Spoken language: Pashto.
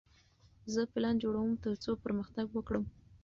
زه پلان جوړوم ترڅو پرمختګ وکړم.